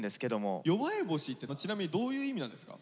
「夜星」ってちなみにどういう意味なんですか？